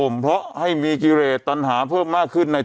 มาหนามื้อ